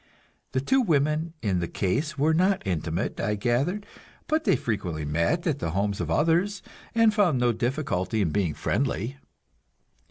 The two women in the case were not intimate, I gathered, but they frequently met at the homes of others, and found no difficulty in being friendly.